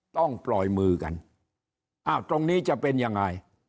ต้องปล่อยมือกันอ้าวตรงนี้จะเป็นยังไง